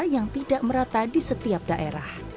yang tidak merata di setiap daerah